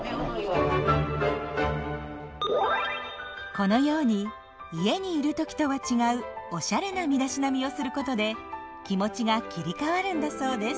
このように家にいる時とは違うおしゃれな身だしなみをすることで気持ちが切り替わるんだそうです。